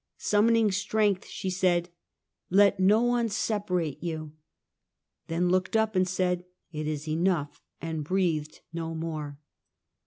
Summoning strength she said: "Let no one separate you!" then looked up and said, " It is enough," and breathed no more.